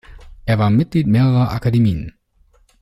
Er war Mitglied mehrerer Akademien.